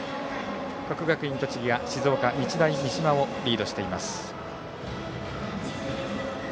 国学院栃木が静岡・日大三島をリードしています。